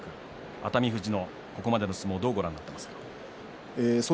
熱海富士のここまでの相撲どうご覧になっていますか？